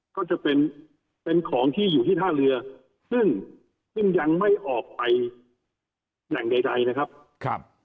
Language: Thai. ก็จะเป็นเป็นของที่อยู่ที่ท่าเรือซึ่งซึ่งยังไม่ออกไปแหล่งใดนะครับ